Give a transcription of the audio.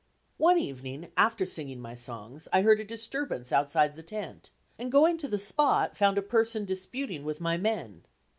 One evening after singing my songs I heard a disturbance outside the tent and going to the spot found a person disputing with my men.